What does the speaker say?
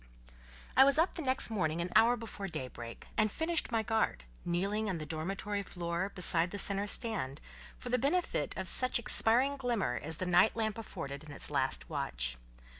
I was up the next morning an hour before daybreak, and finished my guard, kneeling on the dormitory floor beside the centre stand, for the benefit of such expiring glimmer as the night lamp afforded in its last watch.